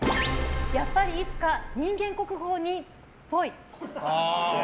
やっぱりいつか人間国宝にっぽい。